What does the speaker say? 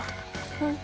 うん。